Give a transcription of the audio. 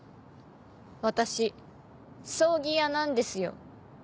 私葬儀屋なんですよ。